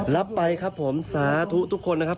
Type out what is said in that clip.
รับไปครับผมสาธุทุกคนนะครับ